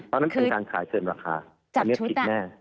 เพราะนั้นเป็นการขายเกินราคาอันนี้ผิดแน่